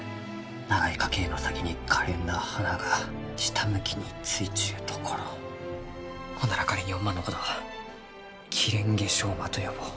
長い花茎の先にかれんな花が下向きについちゅうところほんなら仮におまんのことはキレンゲショウマと呼ぼう。